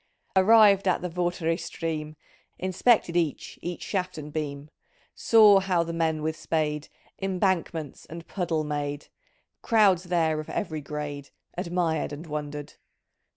"Arrived at the Vartry stream. Inspected each each shaft and beam ; Saw how the men with spade Embankments and puddle made ; Crowds there of every grade Admired and wondered.